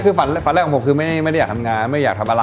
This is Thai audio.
คือฝันแรกของผมคือไม่ได้อยากทำงานไม่อยากทำอะไร